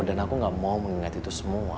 dan aku gak mau mengingat itu semua